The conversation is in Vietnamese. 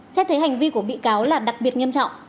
xét thấy hành vi của bị cáo là đặc biệt nghiêm trọng